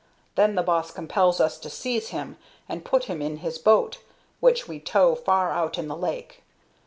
Then the boss compels us to seize him and put him in his boat, which we tow far out in the lake.